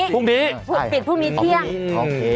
พรุ่งนี้ปิดพรุ่งนี้เที่ยง